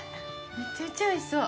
めちゃめちゃおいしそう。